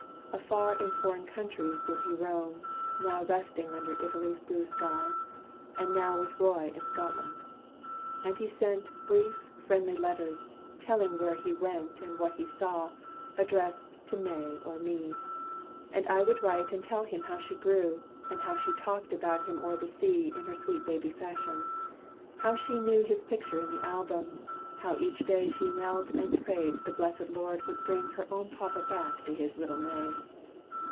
Afar in foreign countries did he roam, Now resting under Italy's blue skies, And now with Roy in Scotland. And he sent Brief, friendly letters, telling where he went And what he saw, addressed to May or me. And I would write and tell him how she grew And how she talked about him o'er the sea In her sweet baby fashion; how she knew His picture in the album; how each day She knelt and prayed the blessed Lord would bring Her own papa back to his little May.